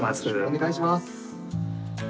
お願いします。